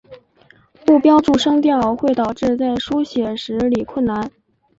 不标注声调会导致在书写时理困难。